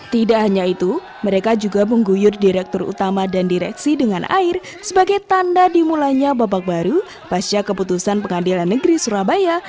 tidak hanya itu mereka juga mengguyur direktur utama dan direksi dengan air sebagai tanda dimulainya babak baru pasca keputusan pengadilan negeri surabaya